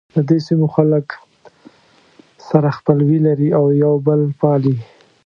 ددې سیمو خلک سره خپلوي لري او یو بل پالي.